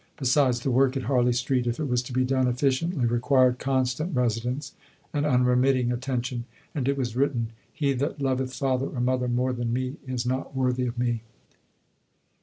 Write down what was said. Besides, the work at Harley Street, if it was to be done efficiently, required constant residence and unremitting attention. And it was written: "He that loveth father or mother more than me is not worthy of me."